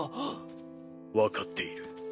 分かっている。